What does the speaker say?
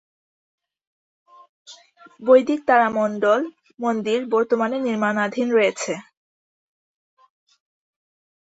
বৈদিক তারামণ্ডল মন্দির বর্তমানে নির্মাণাধীন রয়েছে।